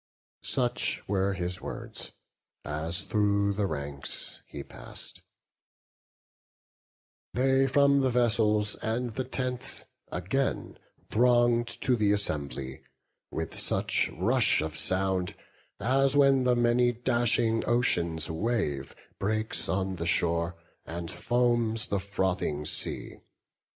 Such were his words, as through the ranks he pass'd: They from the vessels and the tents again Throng'd to th' Assembly, with such rush of sound, As when the many dashing ocean's wave Breaks on the shore, and foams the frothing sea.